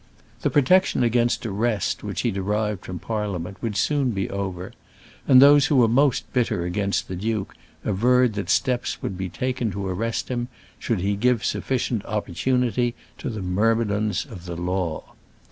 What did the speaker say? The protection against arrest which he derived from Parliament would soon be over, and those who were most bitter against the duke averred that steps would be taken to arrest him, should he give sufficient opportunity to the myrmidons of the law.